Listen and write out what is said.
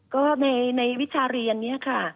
ก็ในวิชาเรียนนี้ค่ะ